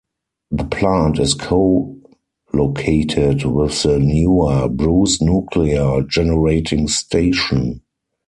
The plant is co-located with the newer Bruce Nuclear Generating Station.